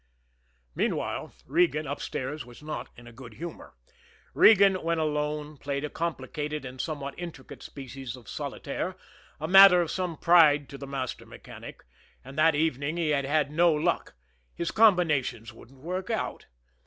Meanwhile, Regan, upstairs, was not in a good humor. Regan, when alone, played a complicated and somewhat intricate species of solitaire, a matter of some pride to the master mechanic, and that evening he had had no luck his combinations wouldn't work out.